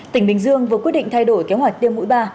tỉnh bình dương vừa quyết định thay đổi kế hoạch tiêm mũi ba